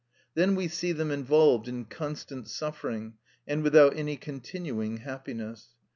Then we see them involved in constant suffering, and without any continuing happiness.